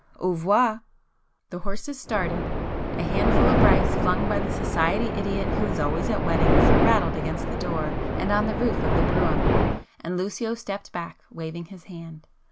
Au revoir!" The horses started,—a handful of rice flung by the society idiot who is always at weddings, rattled against the door and on the roof of the brougham, and Lucio stepped back, waving his hand.